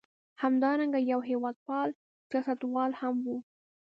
همدارنګه یو هېواد پال سیاستوال هم و.